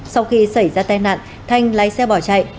sau khi xảy ra tai nạn thanh lái xe bỏ chạy